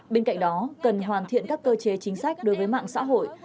bên cạnh đó cần hoàn thiện các cơ chế chính sách đối với mạng xã hội